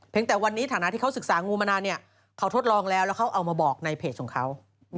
แต่วันนี้ฐานะที่เขาศึกษางูมานานเขาทดลองแล้วแล้วเขาเอามาบอกในเพจของเขา